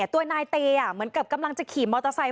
ตัวนายเตเหมือนกับกำลังจะขี่มอเตอร์ไซค